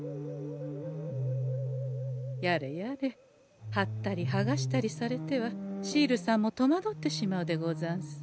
やれやれはったりはがしたりされてはシールさんもとまどってしまうでござんす。